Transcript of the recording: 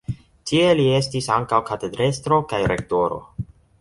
Tie li estis ankaŭ katedrestro kaj rektoro.